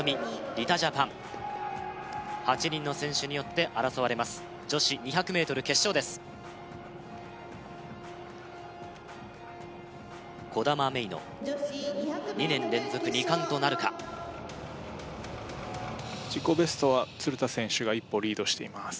リタジャパン８人の選手によって争われます女子２００ｍ決勝です兒玉芽生の２年連続２冠となるか自己ベストは鶴田選手が一歩リードしています